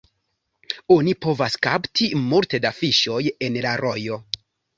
Oni povas kapti multe da fiŝoj en la rojo.